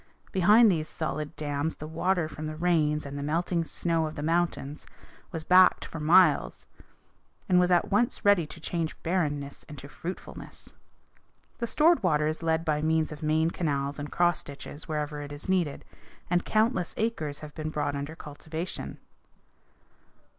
Behind these solid dams the water from the rains and the melting snow of the mountains was backed for miles, and was at once ready to change barrenness into fruitfulness. The stored water is led by means of main canals and cross ditches wherever it is needed, and countless acres have been brought under cultivation.